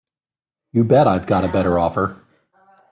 You bet I've got a better offer.